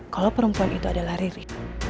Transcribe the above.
kalau perempuan itu adalah riri